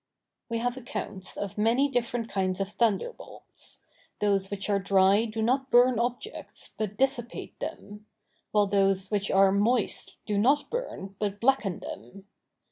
We have accounts of many different kinds of thunderbolts. Those which are dry do not burn objects, but dissipate them; while those which are moist do not burn, but blacken them.